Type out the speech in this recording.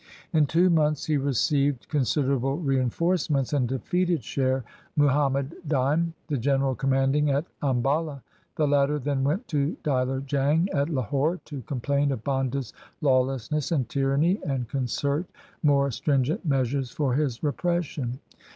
In two months he received considerable reinforcements and defeated Sher Mu hammad Daim, the general commanding at Ambala. The latter then went to Diler Jang at Lahore to com plain of Banda's lawlessness and tyranny and concert more stringent measures for his repression.